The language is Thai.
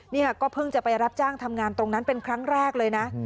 เนี่ยก็เพิ่งจะไปรับจ้างทำงานตรงนั้นเป็นครั้งแรกเลยนะ